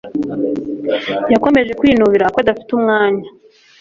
Yakomeje kwinubira ko adafite umwanya.